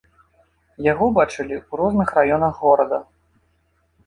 Яго бачылі ў розных раёнах горада.